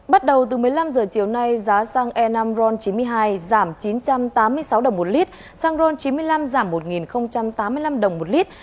bắt đầu từ một mươi năm h chiều nay giá xăng e năm ron chín mươi hai giảm chín trăm tám mươi sáu đồng một lít xăng ron chín mươi năm giảm một tám mươi năm đồng một lít